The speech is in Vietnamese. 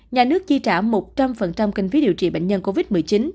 nhà nước chi trả một trăm linh kinh phí điều trị bệnh nhân covid một mươi chín